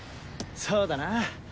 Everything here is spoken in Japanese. そうだな。